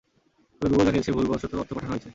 তবে গুগল জানিয়েছে, ভুলবশত অর্থ পাঠানো হয়েছে।